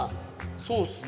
そうっすね。